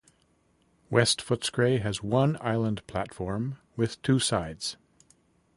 West Footscray has one island platform with two sides.